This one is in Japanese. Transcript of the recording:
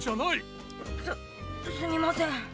すすみません。